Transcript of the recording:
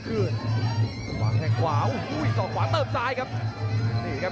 อุ้ยส่วนขวาเติมซ้ายครับ